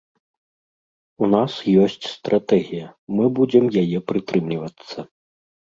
У нас ёсць стратэгія, мы будзем яе прытрымлівацца.